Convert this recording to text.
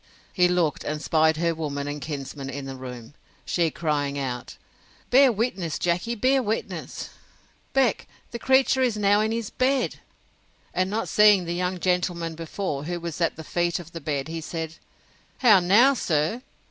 He looked, and 'spied her woman and kinsman in the room, she crying out, Bear witness, Jackey; bear witness, Beck; the creature is now in his bed! And not seeing the young gentleman before, who was at the feet of the bed, he said, How now, sir?